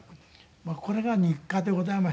これが日課でございましてね。